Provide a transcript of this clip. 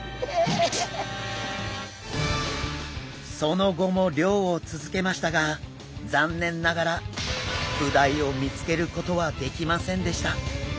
その後も漁を続けましたが残念ながらブダイを見つけることはできませんでした。